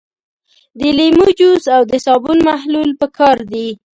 د لیمو جوس او د صابون محلول پکار دي.